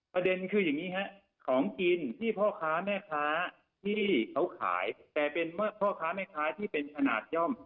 ประเด็นคืออย่างนี้ฮะของกินที่พ่อค้าแม่ค้าที่เขาขายแต่เป็นพ่อค้าแม่ค้าที่เป็นขนาดย่อม